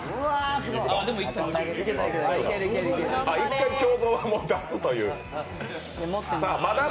１回、胸像を出すというね。